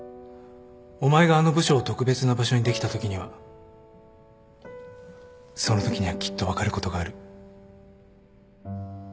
お前があの部署を特別な場所にできたときにはそのときにはきっと分かることがある